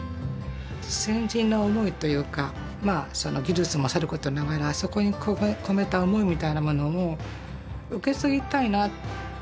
先人の思いというかまあその技術もさることながらそこに込めた思いみたいなものも受け継ぎたいな。